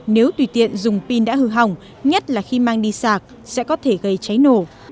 nếu tùy tiện dùng pin đã hư hỏng nhất là khi mang đi sạc sẽ có thể gây cháy nổ